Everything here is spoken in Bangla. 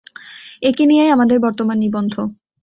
এঁকে নিয়েই আমাদের বর্তমান নিবন্ধ।